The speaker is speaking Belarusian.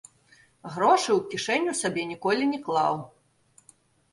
Грошы ў кішэню сабе ніколі не клаў.